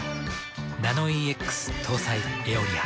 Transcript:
ナノイーＸ搭載「エオリア」。